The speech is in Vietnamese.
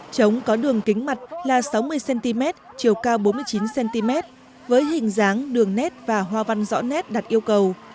trống có đường kính mặt là sáu mươi cm chiều cao bốn mươi chín cm với hình dáng đường nét và hoa văn rõ nét đặt yêu cầu